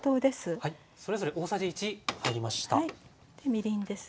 みりんです。